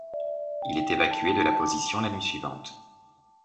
Il est évacué de la position la nuit suivante.